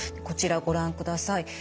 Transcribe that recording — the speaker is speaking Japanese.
こちらご覧ください。